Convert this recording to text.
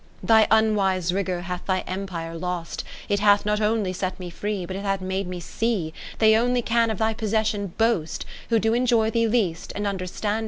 Thy unwise rigour hath thy empire lost ; It hath not only set me free, But it hath made me .see, 70 They only can of thy possession boast, Who do enjoy thee least, and under stand thee most.